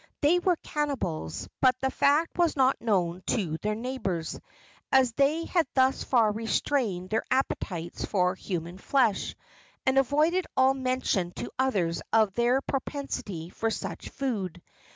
They were cannibals, but the fact was not known to their neighbors, as they had thus far restrained their appetites for human flesh, and avoided all mention to others of their propensity for such food.